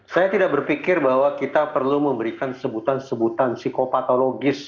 saya tidak berpikir bahwa kita perlu memberikan sebutan sebutan psikopatologis